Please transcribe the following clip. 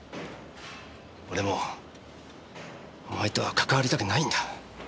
俺もお前とは関わりたくないんだ。